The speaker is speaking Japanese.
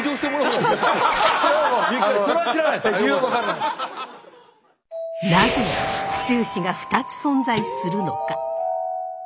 なぜ府中市が２つ存在するのか？